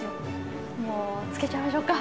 もうつけちゃいましょうか。